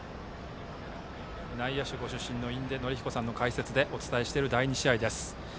内野手ご出身の印出順彦さんの解説でお伝えする第２試合です。